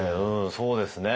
そうですね